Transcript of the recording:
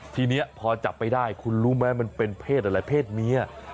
ทีนี้พอจับไปได้คุณรู้ไหมมันเป็นเพศอะไรเพศเมีย